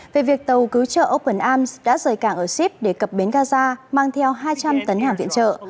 về việc tàu cứu trợ open arms đã rời cảng ở ship để cập bến gaza mang theo hai trăm linh tấn hàng viện trợ